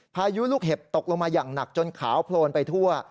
พายุลูกเห็บตกลงมาอย่างหนักจนขาวโพลนไปทั่ว